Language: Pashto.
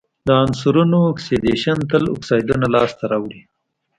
د عنصرونو اکسیدیشن تل اکسایدونه لاسته راوړي.